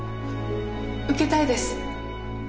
受けたいです。